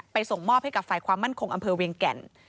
ส่งมอบให้กับฝ่ายความมั่นคงอำเภอเวียงแก่น